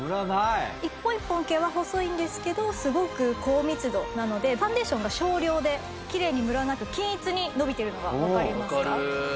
一本一本毛は細いんですけどすごく高密度なのでファンデーションが少量できれいにムラなく均一にのびてるのがわかりますか？